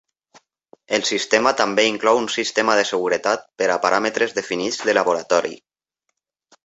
El sistema també inclou un sistema de seguretat per a paràmetres definits de laboratori.